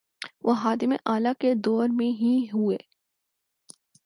وہ خادم اعلی کے دور میں ہی ہوئے۔